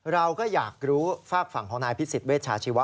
เราก็อยากรู้ฝากฝั่งของนายพิสิทธิเวชาชีวะ